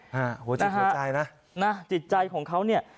หัวจิตหัวใจนะนะจิตใจของเขาเนี่ย